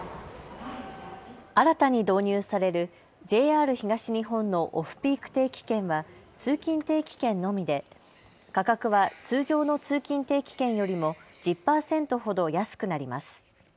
新たに導入されるＪＲ東日本のオフピーク定期券は通勤定期券のみで価格は通常の通勤定期券よりも１０％ほど安くなります。